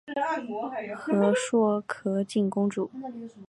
和硕悫靖公主。